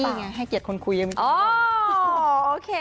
นิกกี้ไงให้เกียจคนคุยกับนิกกี้